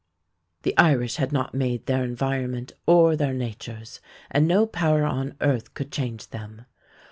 The Irish had not made their environment or their natures, and no power on earth could change them.